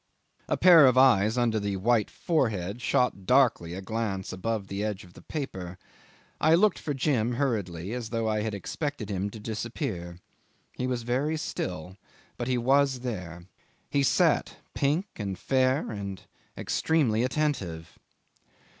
A pair of eyes under the white forehead shot darkly a glance above the edge of the paper. I looked for Jim hurriedly, as though I had expected him to disappear. He was very still but he was there. He sat pink and fair and extremely attentive.